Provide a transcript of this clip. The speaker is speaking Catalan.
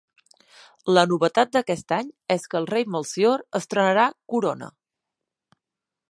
La novetat d'aquest any és que el rei Melcior estrenarà corona.